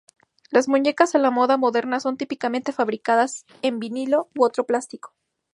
Las muñecas a la moda modernas son típicamente fabricadas en vinilo u otro plástico.